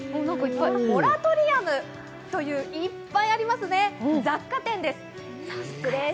モラトリアムという、いっぱいありますね、雑貨店です。